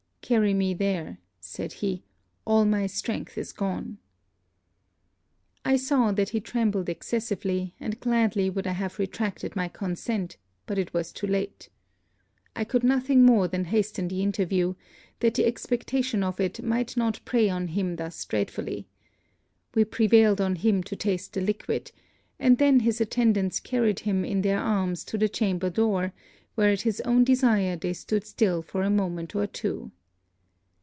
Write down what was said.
'Carry me there,' said he, 'all my strength is gone.' I saw that he trembled excessively, and gladly would I have retracted my consent; but it was too late. I could nothing more than hasten the interview, that the expectation of it might not prey on him thus dreadfully. We prevailed on him to taste the liquid; and then his attendants carried him in their arms to the chamber door, where at his own desire they stood still for a moment or two.